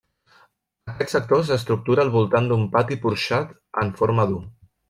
Aquest sector s'estructura al voltant d'un pati porxat en forma d'u.